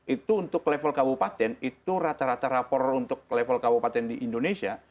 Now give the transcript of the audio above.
itu untuk level kabupaten itu rata rata rapor untuk level kabupaten di indonesia